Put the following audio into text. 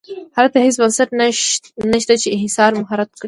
هلته هېڅ بنسټ نه شته چې انحصار مهار کړي.